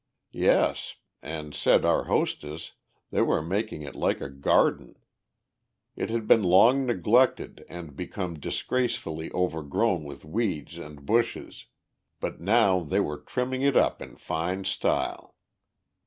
Yes! and, said our hostess, they were making it like a garden! It had been long neglected and become disgracefully overgrown with weeds and bushes, but now they were trimming it up in fine style.